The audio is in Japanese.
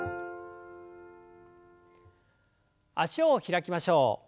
脚を開きましょう。